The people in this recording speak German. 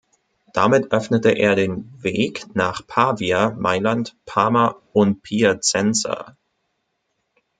Damit öffnete er den Weg nach Pavia, Mailand, Parma und Piacenza.